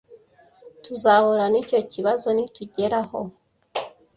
Tuzahura nicyo kibazo nitugeraho.